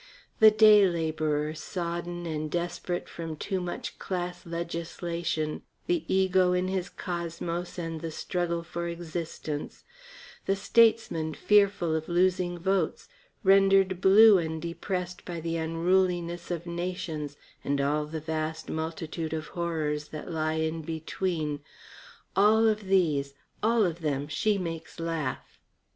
The day labourer, sodden and desperate from too much class legislation, the ego in his cosmos and the struggle for existence; the statesman, fearful of losing votes, rendered blue and depressed by the unruliness of nations and all the vast multitude of horrors that lie in between all of these, all of them, she makes laugh.